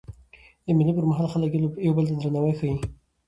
د مېلو پر مهال خلک یو بل ته درناوی ښيي.